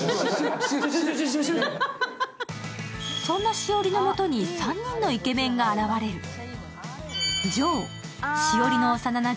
そんな栞のもとに３人のイケメンが現れる。